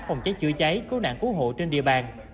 phòng cháy chữa cháy cứu nạn cứu hộ trên địa bàn